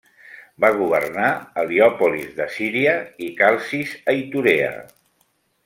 Va governar Heliòpolis de Síria i Calcis, a Iturea.